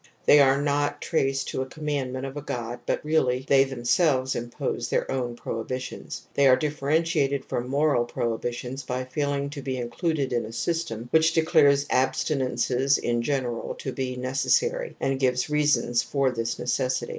They are not traced to a commandment of a god but really they themselves impose their own prohibitions ; they are differentiated from moral prohibitions by failing to be included in a system which declares abstinences in general to be necessary and gives reasons for this necessity.